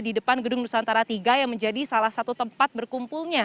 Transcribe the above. di depan gedung nusantara tiga yang menjadi salah satu tempat berkumpulnya